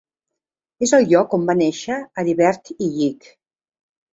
És el lloc on va néixer Heribert Illig.